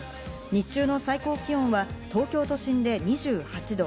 日中の最高気温は東京都心で２８度。